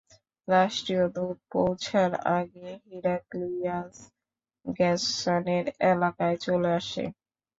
রাষ্ট্রীয় দূত পৌঁছার আগেই হিরাক্লিয়াস গাসসানের এলাকায় চলে আসে।